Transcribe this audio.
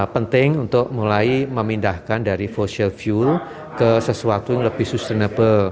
penting untuk mulai memindahkan dari fossial fuel ke sesuatu yang lebih sustainable